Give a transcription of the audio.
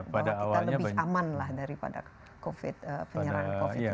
bahwa kita lebih aman daripada penyerahan covid sembilan belas ini